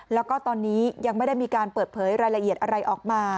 แล้วก็ตอนนี้ยังไม่ได้มีการเปิดเผยรายละเอียดอะไรออกมา